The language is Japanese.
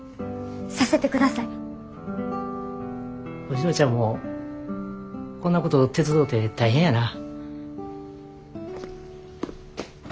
お嬢ちゃんもこんなこと手伝うて大変やなぁ。